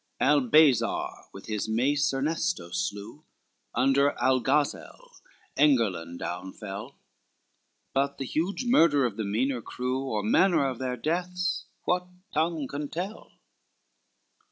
XLI Albazar with his mace Ernesto slew, Under Algazel Engerlan down fell, But the huge murder of the meaner crew, Or manner of their deaths, what tongue can tell?